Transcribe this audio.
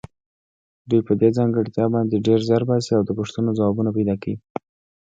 دوی په دې ځانګړتیا باندې ډېر زیار باسي او د پوښتنو ځوابونه پیدا کوي.